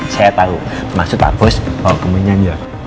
saya tahu maksud pak bos bau kemenyan ya